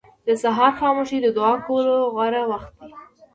• د سهار خاموشي د دعا کولو غوره وخت دی.